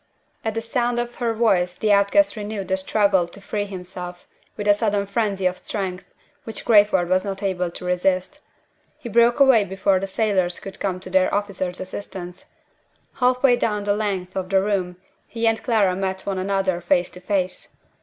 At the sound of her voice the outcast renewed the struggle to free himself, with a sudden frenzy of strength which Crayford was not able to resist. He broke away before the sailors could come to their officer's assistance. Half way down the length of the room he and Clara met one another face to face.